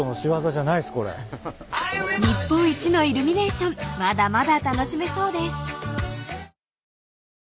［日本一のイルミネーションまだまだ楽しめそうです］